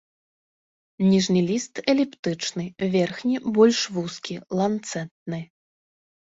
Ніжні ліст эліптычны, верхні больш вузкі, ланцэтны.